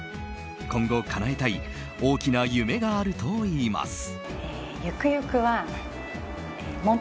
今後かなえたい大きな夢があるといいます。